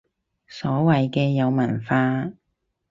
所謂嘅有文化